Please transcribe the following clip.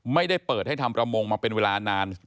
ไม่ได้เปิดให้ทำประมงมาเป็นเวลานาน